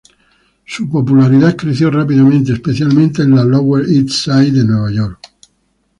Su popularidad creció rápidamente, especialmente en la "Lower East Side" de Nueva York.